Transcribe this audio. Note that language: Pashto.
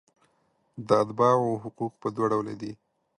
د اتباعو حقوق په دوه ډوله دي.